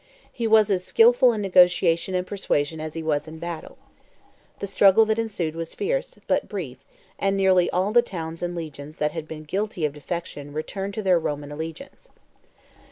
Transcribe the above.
He was as skilful in negotiation and persuasion as he was in battle. The struggle that ensued was fierce, but brief; and nearly all the towns and legions that had been guilty of defection returned to their Roman allegiance.